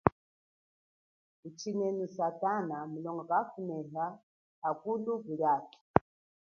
Tuchine satana mumu iye kakuneha ukalu kuli atu.